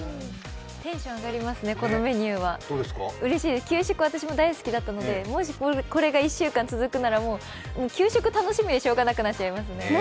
テンション上がりますね、このメニューは。給食、大好きなのでもしこれが１週間続くなら給食楽しみでしようがなくなっちゃいますね。